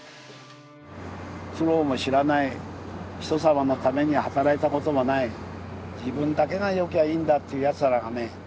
苦労も知らない人様のために働いたこともない自分だけが良きゃあいいんだっていう奴らがね